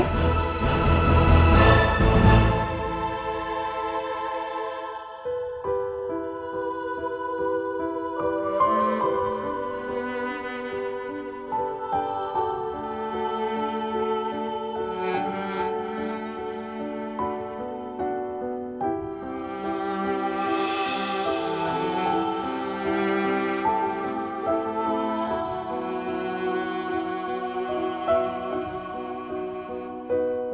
tunggu dua eyelashes